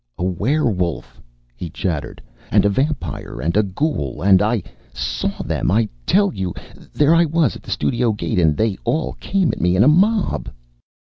"A werewolf," he chattered. "And a vampire and a ghoul and I saw them, I tell you. There I was at the studio gate, and they all came at me in a mob."